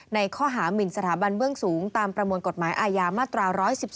ในข้อหามินสถาบันเบื้องสูงตามประมวลกฎหมายอาญามาตรา๑๑๒